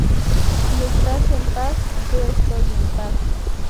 Si estás en paz, yo estoy en paz.